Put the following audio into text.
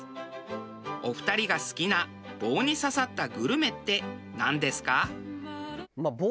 お二人が好きな棒に刺さったグルメってなんですか？